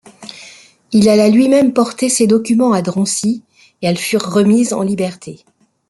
Il alla lui-même porter ces documents à Drancy et elles furent remises en liberté.